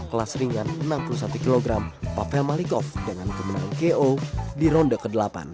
kelas ringan enam puluh satu kg papel malikov dengan kemenangan ko di ronde ke delapan